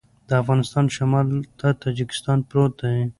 د افغانستان شمال ته تاجکستان پروت دی